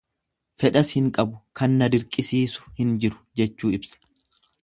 Fedhas hin qabu, kan na dirqisiisu hin jiru jechuu ibsa.